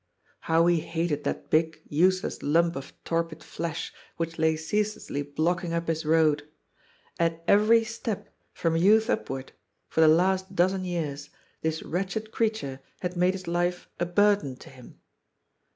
How he hated that big, useless lump of torpid flesh, which lay ceaselessly blocking up his road. At every step, from youth upward — for the last dozen years — this wretched creature had made his life a burden to him.